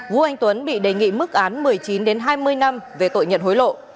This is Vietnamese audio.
vũ anh tuấn bị đề nghị mức án một mươi chín hai mươi năm về tội nhận hối lộ